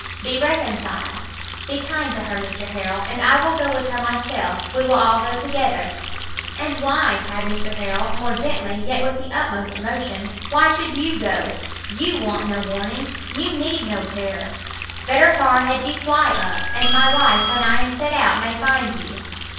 be reconciled, be kind to her, Mr Harrel! and I will go with her myself, we will all go together!" "And why," cried Mr Harrel, more gently yet with the utmost emotion, "why should you go! you want no warning! you need no terror! better far had you fly us, and my wife when I am set out may find you."